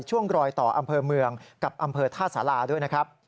ช่วงรอยต่ออำเภอเมืองกับอำเภอท่าสาราด้วยนะครับ